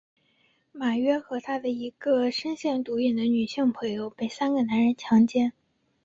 马纽和她的一个深陷毒瘾的女性朋友被三个男人强奸。